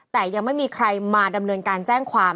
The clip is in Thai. แต่ยังไม่มีใครมาดำเนินการแจ้งความ